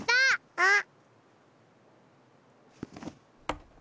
あっ！